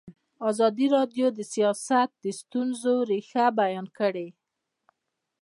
ازادي راډیو د سیاست د ستونزو رېښه بیان کړې.